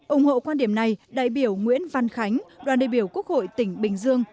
ổng hộ quan điểm này đại biểu nguyễn văn khánh đoàn đại biểu quốc hội tỉnh bình dương